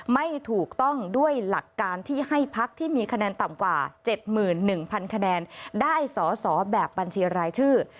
ไม่ถูกต้องด้วยหลักการที่ให้พักที่มีคะแนนต่ำกว่า๗๑๐๐คะแนนได้สอสอแบบบัญชีรายชื่อ